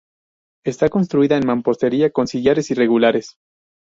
Está construida de mampostería con sillares irregulares.